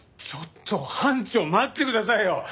ちょっと班長待ってくださいよ！